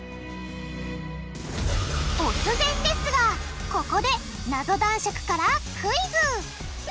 突然ですがここでナゾ男爵からクイズ！